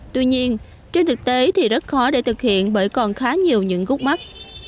tuy nhiên trên thực tế thì rất khó để thực hiện bởi còn khá nhiều những gút mắt